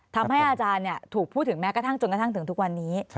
ทำให้อาจารย์ถูกพูดถึงแม้กระทั่งจนกระทั่งถึงทุกวันนี้